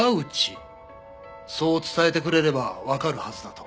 そう伝えてくれればわかるはずだと。